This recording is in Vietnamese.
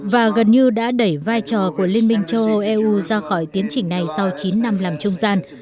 và gần như đã đẩy vai trò của liên minh châu âu eu ra khỏi tiến trình này sau chín năm làm trung gian